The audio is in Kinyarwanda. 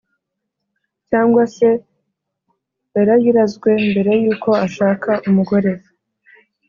cyangwa se yarayirazwe mbere y’uko ashaka umugore